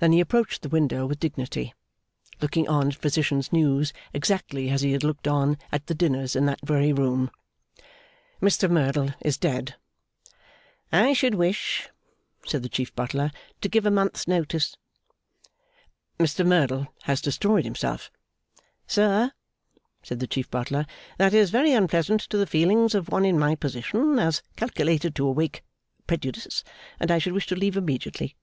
Then he approached the window with dignity; looking on at Physician's news exactly as he had looked on at the dinners in that very room. 'Mr Merdle is dead.' 'I should wish,' said the Chief Butler, 'to give a month's notice.' 'Mr Merdle has destroyed himself.' 'Sir,' said the Chief Butler, 'that is very unpleasant to the feelings of one in my position, as calculated to awaken prejudice; and I should wish to leave immediately.